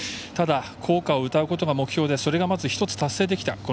ただ、校歌を歌うことが目標でそれがまず１つ達成できた。